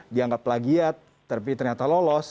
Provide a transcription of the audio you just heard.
dianggap plagiat tapi ternyata lolos